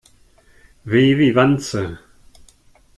W wie Wanze.